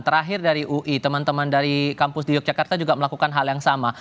terakhir dari ui teman teman dari kampus di yogyakarta juga melakukan hal yang sama